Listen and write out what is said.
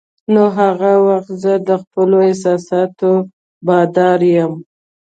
نو هغه وخت زه د خپلو احساساتو بادار یم.